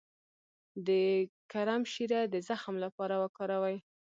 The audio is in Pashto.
د کرم شیره د زخم لپاره وکاروئ